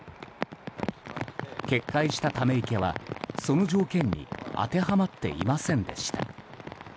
決壊した、ため池はその条件に当てはまっていませんでした。